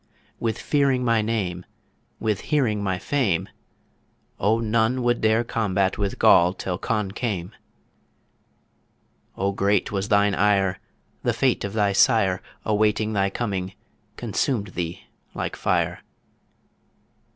With fearing my name, With hearing my fame, O none would dare combat With Goll till Conn came? ... O great was thine ire The fate of thy sire, Awaiting thy coming, Consumed thee like fire.